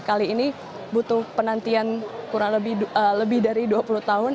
kali ini butuh penantian kurang lebih dari dua puluh tahun